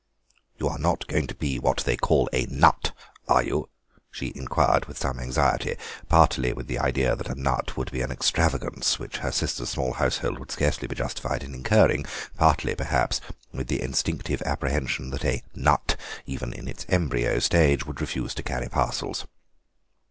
"You are not going to be what they call a Nut, are you?" she inquired with some anxiety, partly with the idea that a Nut would be an extravagance which her sister's small household would scarcely be justified in incurring, partly, perhaps, with the instinctive apprehension that a Nut, even in its embryo stage, would refuse to carry parcels.